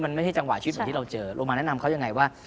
มันไม่ใช่จังหวะชีวิตเหมือนที่เราเจอลงมาแนะนำเขายังไงว่า